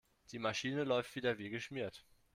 Die Maschine läuft wieder wie geschmiert.